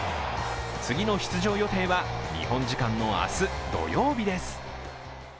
次の出場予定は日本時間の明日、土曜日です。